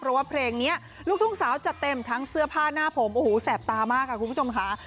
เพราะว่าเพลงนี้ลูกทุ่งสาวจัดเต็มทั้งเสื้อผ้าหน้าผมโอ้โหแสบตามากค่ะคุณผู้ชมค่ะ